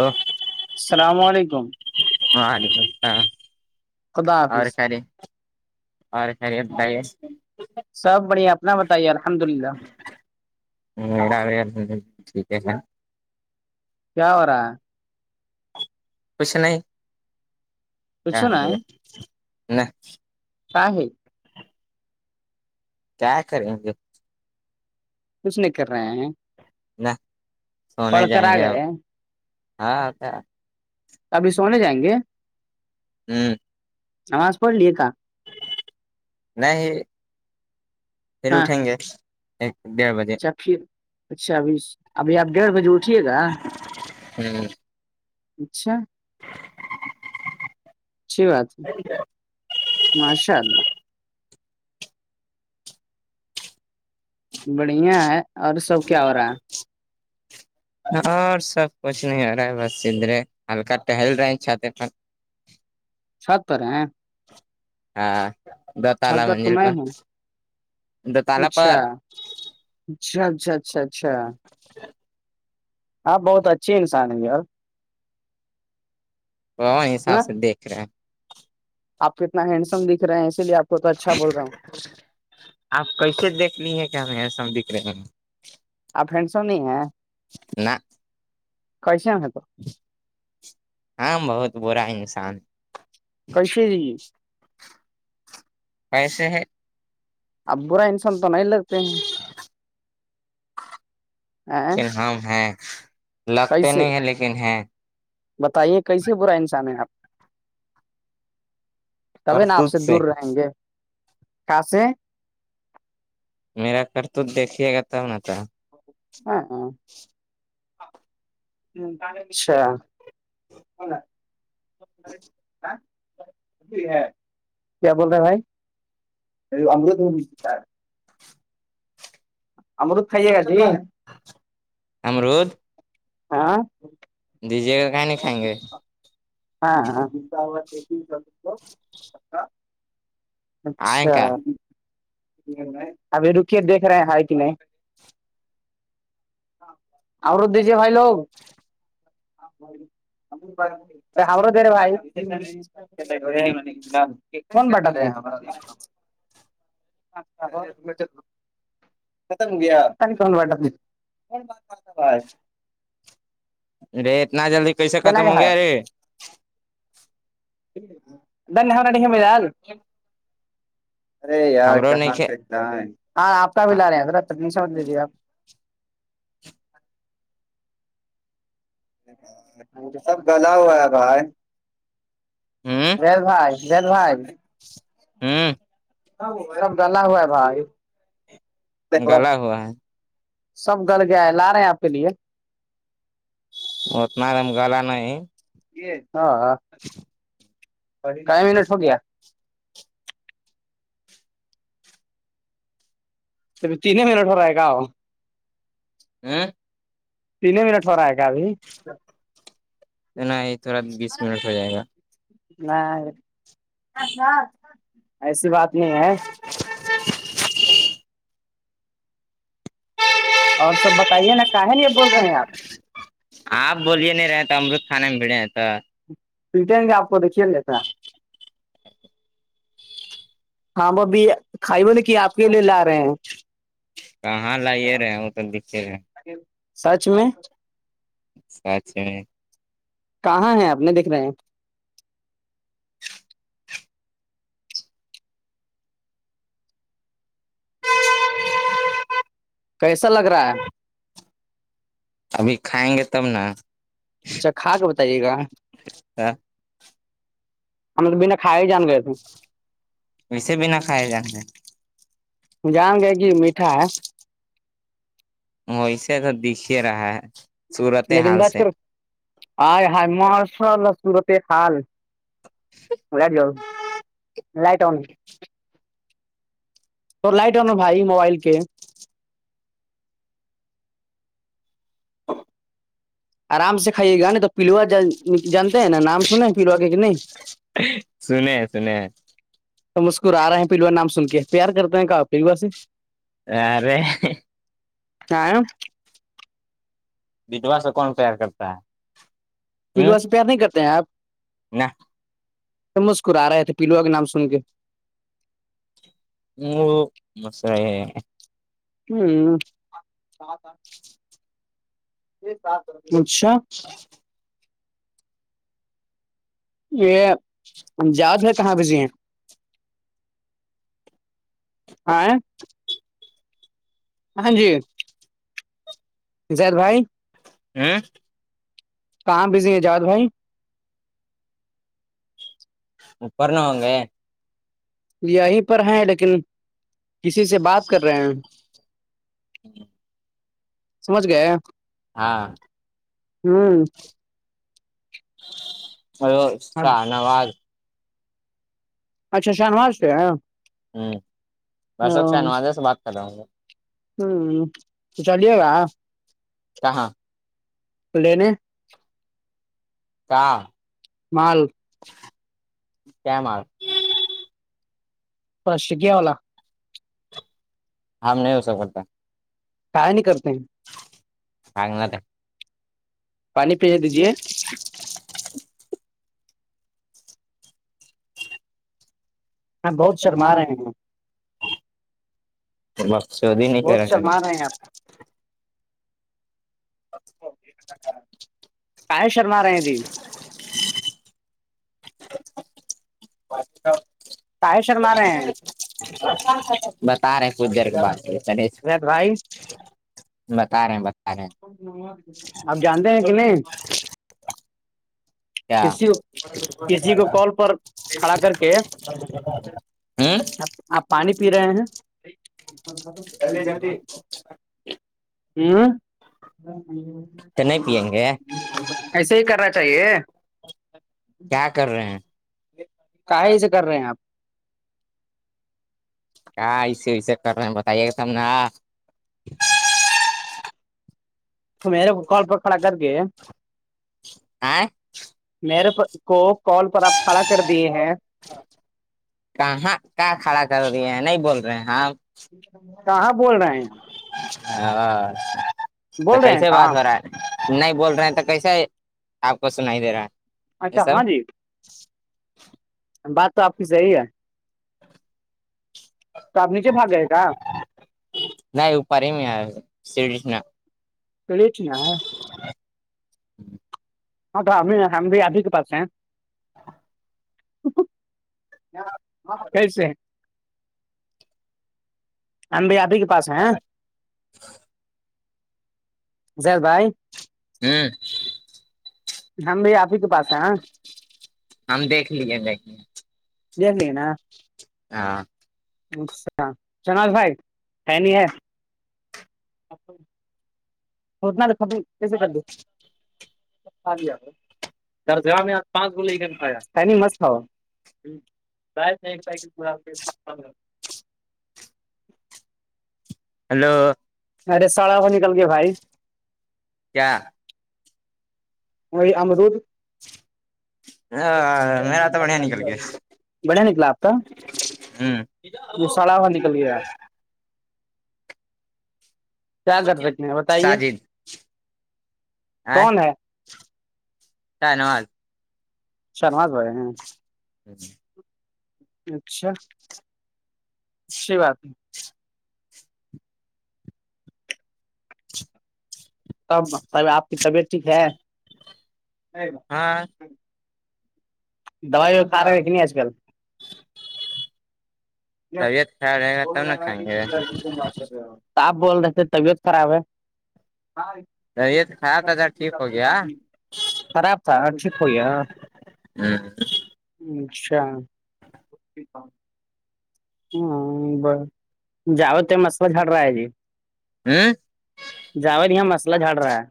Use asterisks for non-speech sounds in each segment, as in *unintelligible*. ہ السلام علیکم ہاں ہ خدا اور حافظ خاریے اور خاری بتائیے سب بڑھیا اپنا بتائیے الحمد للہ ہا ہ ٹھیک ہے ہے کیا ہو رہا ہے وسے ن کچھ نا ہے نہیں نہ کا ہے کیا کریں گے کچھ نہیں کر رہے ہیں نہ سونے پڑھ کر جائیں آ گے گئے اب ہیں، ہاں ہوتا ابھی سونے جائیں گے ھم آواز پڑلی کا نہیں ہی پھر ہاں اٹھیں گے ایک ڈیھ بجے اچھا پھر اچھا ابھی ابھی آپ ڈیڑھ بجے اٹھیے گا ہوں اچھا اچھی بات ہے ماشاء اللہ بڑھیا ہے اور سب کیا نہ ہو رہا *inaudible* اور سب کچھ نہیں ہو رہا ہے بس سدھرے ہلکا ٹہل رہے ہیں چھاتے پر سپ پورا ہاں د تال چھت پر تو منزل پ میں ہوں اچھا اچھا اچھا اچھا اچھا آپ بہت اچھے انسان ہیں گیار وہ حساب سے دیکھ رہے ہیں آ کتنا ہینڈ سم دکھ رہے اس لیے آپ کو اچھا بول رہا ہوں آپ کیسے دیکھنی ہیں کیا ہمیں ایسم دکھ رہے ہیں آپ فنڈسو نہیں ہیں نا کشے ہگا تو ہاں بہت برا ہے انسان کشی ایسے ہے اب برا انسان تو نہیں لگتے ہیں ہیں لیکن ہم ہیں لگتے کیسے نہیں ہیں لیکن ہیں بتائیے کیسے برا انسان ہے آپ کبھی نا آپ سے دور رہیں گے کاس میرا کرھر تو دیکھیے گا تب ن تھا ہاں ہاں اچھا کیا بول رہے ہیں بھائی امرت ہو ہممر تو خائیے گا جی *unintelligible* آاں دیجیے گا کہاں نہیں کھائیں گے ہاں ہاں آئیں اچھا کا ابھی رکے دیکھ رہے ہے کہ نہیں اورور دی ج ب لوگ ہم دیرے بھائی کون بٹاات ہے اچھا ختم گیا فنا کو ب بائے اے اتنا جلدی کیسے کہنا ختم کے ہو ہے گیا رے دھنیہ واد مال ارے یار ہمرو نہیں کہاں کھ سے ہاں آپ کا بھی لا رہے ہیںرا ت نہیں سمجھ لیجیے آپ سب گلا ہوا ہے بھائی ہوں جل بھائی جل بھائی ہوں سب گلا ہوا ہے بھائی گلا ہوا ہے سب گل گئے لا رہے ہیں آپ کے لیے اتنا دم گلا نہیں یہ ہاں کا منٹ ہو گیا توب تینیں منٹ ہو رہا ہے گا ہوں تین منٹ ہو رہا ہے گ ابھی تو نہیں تھوڑا بیس منٹ ہو جائے گا میں ایسی بات نہیں ہے اور سب بتائیے نا کہاہ ہے یہ بول رہے ہیں آپ آپ بولیے نہیں رہے تو امرت خانے میں بھیڑے ہیں تو بٹین کا آپ کو دھییال جا ہے ہاں وہ اب کھائی وہ نے کی آپ کے لیے لا رہے ہیں کہاں لائیے رہے وہ تو دکھے رہے سچ میں سچھے کہاں ہے آپ نے دیکھ رہے ہیں کیسا لگ رہا ہے ابھی کھائیں گے تب نا اچھا کھا کے بتائیے گا ہملب بنا کھائے ہی جان گئےے تھے وے بھینا کھائے جاے جائؤں گے کہ میٹھا ہے ویسے تو دکھے رہا ہے صورت حال سے آ ہائی مارشاء ال سورتے خال گڈ لائٹ آؤ تو لائٹ ہے نا بھائی موبائل کے آرام سے کھائیے گا ن تو پلوا جانتے ہیں نا نام سنے پلوا کے نہیں سن سن ہم مسکرا رہے ہیں پلوا نام سن کے پیار کرتے ہیں کہ پلوا سے آرے تار ودھوا سے کون پیار کرتا ہے ہوں پلوا سے پیار نہیں کرتے ہیں آپ نہ مسکر رہے تھے پلوا کے نام سن کے ہ مسر ہ اچھا ا یہ ہمجاد میں کہاں بزی ہیں آائے ہاں جی ہجید بھائی ا کہاں بزی ہے جاد بھائی ا پرنا ہو گ یہیں پر ہیں لیکن کسی سے بات کر رہے ہیں سمجھ گئے ہاں ہوں ہیلو ہ شاہ نواز اچھا شاہنوار سے ہے ہوں درشک سےہنوازے سے بات کر رہا ہوں ہوں چلیے گا کہ ہاں لینے کااں مال کیام آ فش کیایا والا ہام نہیں ہوسا پڑتا کا نہیں کرتے ہیں بھاگنا تھا پانی بھیج دیجے ہاں بہت شرما رہے ہیں بخود ہی نہیں بہت کر شرما رہے ہیں آپ کااہ شرما رہے تھے ب تو کااہ شرما رہے ہیں بتا رہے ہیں کچھ دیر کے بع بھائی رہے ہیں بتا رہے ہیں آپ جانتے ہیں کتنے کیا کسی کسی کو کال پر کھڑا کر کے ہ ا آپ پانی پی رہے ہیں جلدی جلدی ہ تو نہیں پیئیں گے ایسے ہی کرنا چاہیے کیا کر رہے ہیں کہ سے کر رہے ہیں آپ ہاں ایسے وسے کر رہے ہیں بتائیے گا تم ناں میرے پ کال پکڑا کر کے آئ میرے کو کال پر آپ کھڑا کر دیے ہیں کہاں کہاں کھڑا کر رہی ہیں نہیں بول رہ کہاں بول رہے ہیں ہم ا آپ تو بول رہے ہیں کیسے بات کہاں ہو رہا ہے *unintelligible* نہیں بول رہے ہیں تو کیسا ہے آپ کو سن ہی دے رہا ہے یہ اچھا سب ہاں جی بات تو آپ کی صحیح ہے توب نچے باگئے گ نہیں اپار ہی نہیں ہے س ن *unintelligible* کڑےچ نا ہاں تو ہمیں ہم بھی ابھی کے پاس ہیں ہاں پکل سے آم بھیائی آب *unintelligible* پاس جیید بھائی *unintelligible* ہوں ہماں بھائی آپ ہی کے پس ہم دیکھ لیے دیکھنے جرلیین *unintelligible* ہاں اچھا شناز بھائی نی ہے *unintelligible* اپ *unintelligible* *unintelligible* فتنا خبر کیسے کر دی *unintelligible* *unintelligible* جائ نہیں ایک پیک *unintelligible* ہلو ارے ساڑا کو نکل کے بھائی کیا وہ امرود *unintelligible* میرا تو بڑھیا نکل گیا بنیا نکلا آتا ہوں سڑا ہو نکل گیا کیا کر سکتے ہیں بتائیے ساجد آئ کون ہے کیا نواز *unintelligible* شرماز بھائی ہیں *unintelligible* جی جی *unintelligible* اچھا سی بات ہے تب صحب آپ کی طبیعت ٹھیک ہے ہاں دوائی و کا رہے ہے کہ نہیں آج کل *unintelligible* طبیعت خراب رہے گا فون تب نہ رہ ب کھائیں گے *unintelligible* ہو آپ بول رہے تھ طبیعت خراب ہے طبیعت خراب تھا ٹھیک ہو گیا خراب تھاٹھیک ہوئی ہے ہاں *unintelligible* اچھا *unintelligible* ہاں ب جاوت تو مسئلہ جھڑ رہا ہے جی ہوں جاوید یہاں مسئلہ جھڑ رہا ہے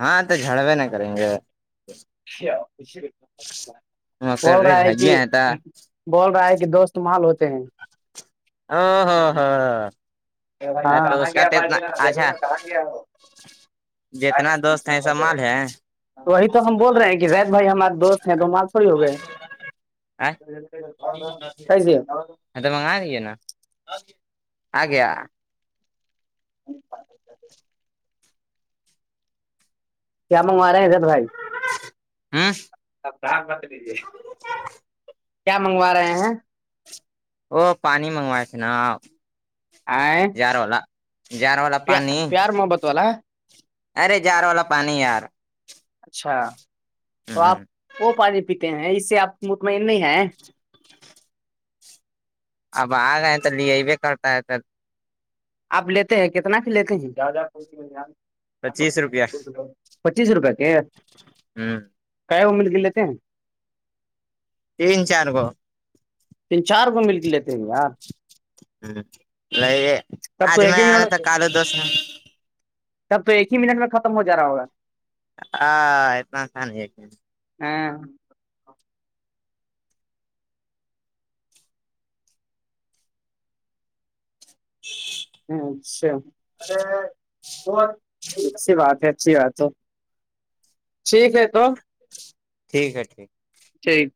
ہاں تو جڑوے نہ کریں گے وہ رہ مقرر ہے کی ہیں تو *unintelligible* بول رہا ہے کہ دوست مال ہوتے ہیں ہ ہاں ہاں ہ کہاں گیا ب د دیکھو اچھا کہاں گیا ہو آا جتنا دوست جو ہیں ہو سب مال ہے وہی تو ہم بول رہ ہیں کہ زید بھائی ہمارے دوست ہیں دو مال تھوڑی ہو گئے ک سے ہاں تو منگا رہے نا آ گیا کیا منگا رہے ہیں جب بھائی *inaudible* ابام بت لیجے کیا منگوا رہے ہیں وہ پانی منگوائے تھ نا آئ جار والا جار والا پانی محبت والا ارے جار والا پانی یار اچھا تو ہ آپ وہ پانی پیتے ہیں اس سے آپ مطمئن نہیں ہیں اب آگ آت ال یہ بیک کر آتاا آتر آپ لیتے ہیں کتنا بھی لیتے ہیں پچیس روپیہ پچیس روپے یہ ہ کا امییر گل تھ ج چی ن کوو تین چار گو مل کے لیتے ہیں یار ہ نہیںے تب تو ایک ہی منٹ میں تب تو ایک ہی منٹ میں ختم ہو جا رہا ہوگا ہ اتنا تھاان ہے ہاں جی *unintelligible* اچھا ب اچھی بات ہے اچھی بات تو شٹھیک ہے تو ٹھیک ہے ٹھیک ہے ٹھیک